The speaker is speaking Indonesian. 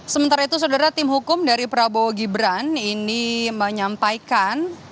sementara itu saudara tim hukum dari prabowo gibran ini menyampaikan